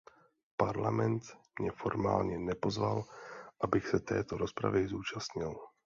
Parlament mě formálně nepozval, abych se této rozpravy zúčastnil.